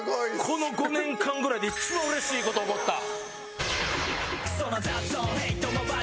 この５年間ぐらいで一番うれしい事起こった。